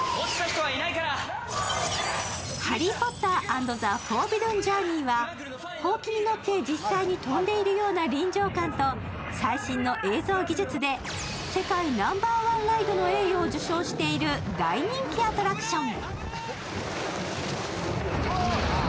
ハリー・ポッター・アンド・ザ・フォービドゥン・ジャーニーは、ほうきに乗って実際に飛んでいるような臨場感と最新の映像技術で世界ナンバーワンライドの栄誉を受賞している大人気アトラクション。